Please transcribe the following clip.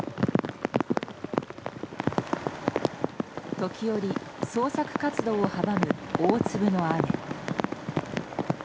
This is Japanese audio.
時折、捜索活動を阻む大粒の雨。